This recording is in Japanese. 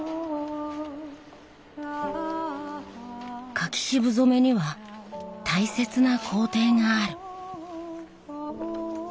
柿渋染めには大切な工程がある。